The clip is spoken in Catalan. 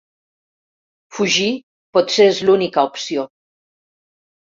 Fugir potser és l'única opció.